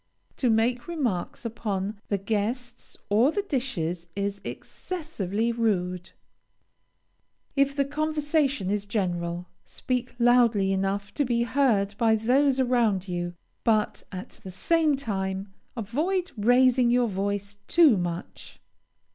To make remarks upon the guests or the dishes is excessively rude. If the conversation is general, speak loudly enough to be heard by those around you, but, at the same time, avoid raising your voice too much.